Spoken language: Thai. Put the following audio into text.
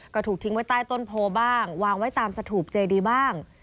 ก็ถูกทิ้งไว้ใต้ต้นโพบ้างวางไว้ตามสถูปเจดีบ้าง